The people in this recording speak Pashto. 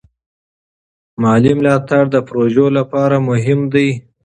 مالي ملاتړ د پروژو لپاره مهم دی.